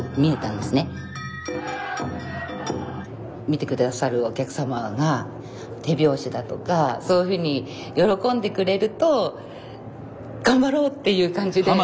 見て下さるお客様が手拍子だとかそういうふうに喜んでくれると頑張ろうっていう感じで。